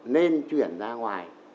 nên chuyển ra ngoài